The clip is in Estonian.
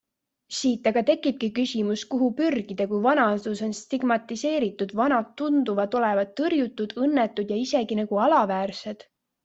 Siit aga tekibki küsimus, kuhu pürgida, kui vanadus on stigmatiseeritud, vanad tunduvad olevat tõrjutud, õnnetud ja isegi nagu alaväärsed?